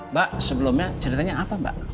mbak sebelumnya ceritanya apa mbak